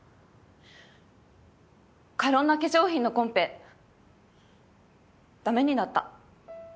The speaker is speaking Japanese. カロンナ化粧品のコンペ駄目になった。